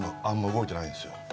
動いてないんですよ